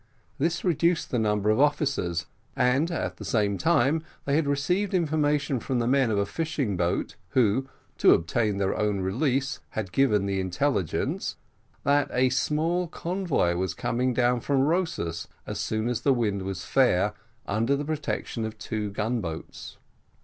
This reduced the number of officers; and, at the same time, they had received information from the men of a fishing boat, who, to obtain their own release, had given the intelligence, that a small convoy was coming down from Rosas as soon as the wind was fair, under the protection of two gun boats.